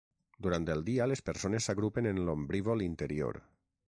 Durant el dia les persones s'agrupen en l'ombrívol interior.